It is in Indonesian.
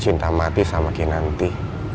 cinta mati sama kinanti